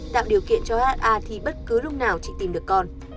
tạo điều kiện cho ha thì bất cứ lúc nào chị tìm được con